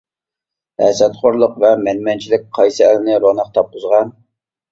ھەسەتخورلۇق ۋە مەنمەنچىلىك، قايسى ئەلنى روناق تاپقۇزغان؟ !